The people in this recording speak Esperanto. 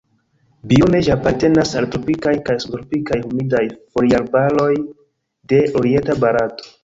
Biome ĝi apartenas al tropikaj kaj subtropikaj humidaj foliarbaroj de orienta Barato.